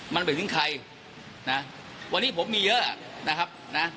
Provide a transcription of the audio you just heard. มันไปถึงใครนะวันนี้ผมมีเยอะนะครับนะ